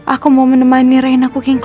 aku mau menemani reina kelas masak